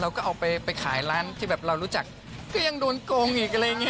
เราก็เอาไปขายร้านที่แบบเรารู้จักก็ยังโดนโกงอีกอะไรอย่างเงี้